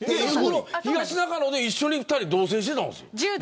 東中野で２人同棲してたんですよ。